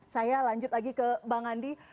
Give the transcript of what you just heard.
saya lanjut lagi ke bang andi